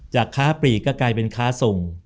ค้าปลีกก็กลายเป็นค้าส่ง